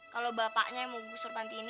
kalo bapaknya yang mau busur panti ini